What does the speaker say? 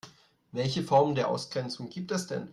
Welche Formen der Ausgrenzung gibt es denn?